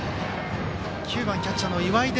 ９番キャッチャー、岩出。